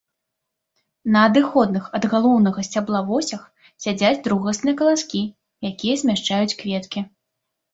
На адыходных ад галоўнага сцябла восях сядзяць другасныя каласкі, якія змяшчаюць кветкі.